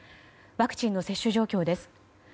ワクチンの接種状況です。